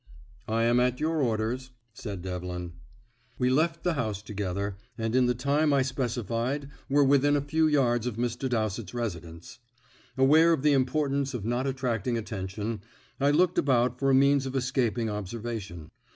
"I am at your orders," said Devlin. We left the house together, and in the time I specified were within a few yards of Mr. Dowsett's residence. Aware of the importance of not attracting attention, I looked about for a means of escaping observation.